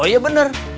oh iya bener